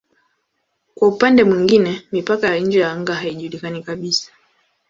Kwa upande mwingine mipaka ya nje ya anga haijulikani kabisa.